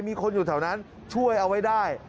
มีคนอยู่แถวนั้นช่วยเอาไว้ได้